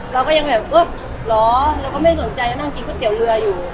เราก็ยังแบบเออเหรอเราก็ไม่สนใจก็นั่งกินก๋วยเตี๋ยวเรืออยู่